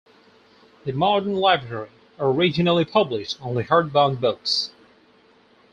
The Modern Library originally published only hardbound books.